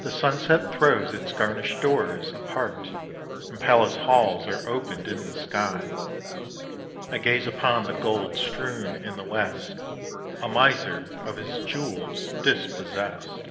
The sunset throws its garnished doors apart, And palace halls are opened in the sky I gaze upon the gold strewn in the west, A miser, of his jewels dispossessed.